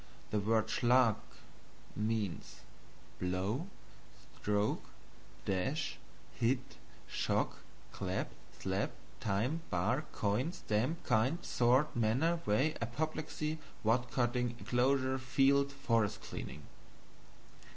The word SCHLAG means Blow, Stroke, Dash, Hit, Shock, Clap, Slap, Time, Bar, Coin, Stamp, Kind, Sort, Manner, Way, Apoplexy, Wood cutting, Enclosure, Field, Forest clearing.